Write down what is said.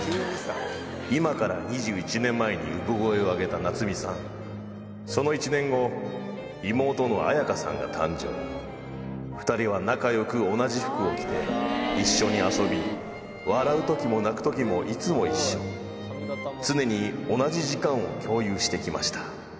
今から２１年前に産声を上げた菜摘さんその１年後妹の彩花さんが誕生２人は仲良く同じ服を着て一緒に遊び笑う時も泣く時もいつも一緒常に同じ時間を共有して来ました